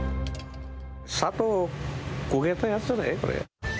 砂糖を焦げたやつね、これ。